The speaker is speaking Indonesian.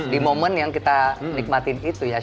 di momen yang kita nikmatin itu ya